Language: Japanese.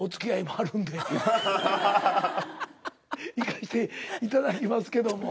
行かしていただきますけども。